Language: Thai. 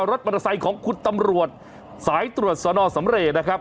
ตอนนี้เมื่อรถมันทะไซของคุณตำรวจสายตรวจสนสำเรตแรกนะครับ